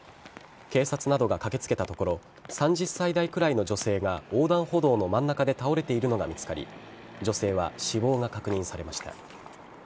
警察などが駆けつけたところ３０歳代ぐらいの女性が横断歩道の真ん中で倒れているのが見つかり女性は死亡が確認されました。